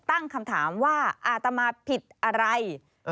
ตั้งคำถามว่าอาตมาผิดอะไร